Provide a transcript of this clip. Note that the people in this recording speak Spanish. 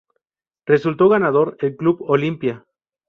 Resultó ganador el Club Olimpia.